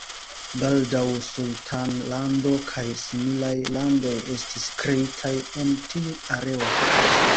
Baldaŭ sultanlando kaj similaj landoj estis kreitaj en tiu areo.